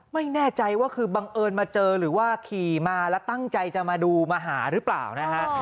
ไม่แน่ใจว่าคือบังเอิญมาเจอหรือว่าขี่มาแล้วตั้งใจจะมาดูมาหาหรือเปล่านะฮะ